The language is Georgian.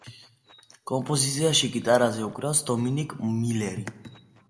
კომპოზიციაში გიტარაზე უკრავს დომინიკ მილერი.